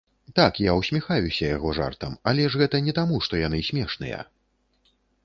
Так, я ўсміхаюся яго жартам, але ж гэта не таму, што яны смешныя.